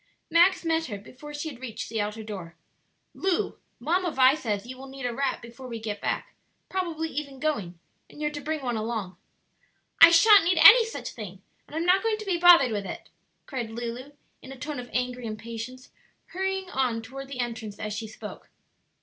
Max met her before she had reached the outer door. "Lu, Mamma Vi says you will need a wrap before we get back; probably even going, and you're to bring one along." "I sha'n't need any such thing! and I'm not going to be bothered with it!" cried Lulu, in a tone of angry impatience, hurrying on toward the entrance as she spoke.